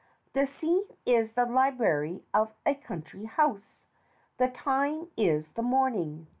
The scene is the Library of a Country House. The Time is the Morning.